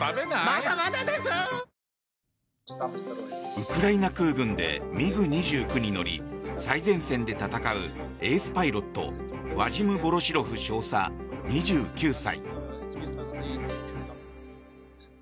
ウクライナ空軍でＭｉＧ２９に乗り、最前線で戦うエースパイロットワジム・ヴォロシロフ少佐２９歳。